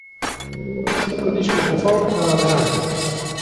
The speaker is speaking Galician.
Cinco discos de folk para o verán